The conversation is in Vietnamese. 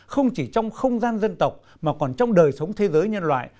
không chỉ trong không gian dân tộc mà còn trong đời sống thế giới nhân loại